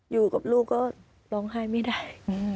อยู่กับลูกก็ร้องไห้ไม่ได้